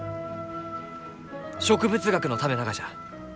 植物学のためながじゃ！